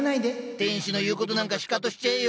天使の言うことなんかシカトしちゃえよ！